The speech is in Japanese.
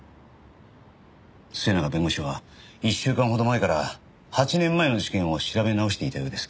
末永弁護士は１週間ほど前から８年前の事件を調べ直していたようです。